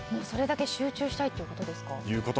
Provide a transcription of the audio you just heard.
それだけ集中したいということですか。